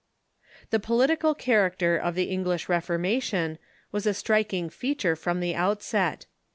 The political character of the English Reformation was a striking feature from the outset.